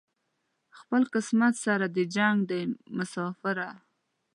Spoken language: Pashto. خپل قسمت سره دې جنګ دی مساپره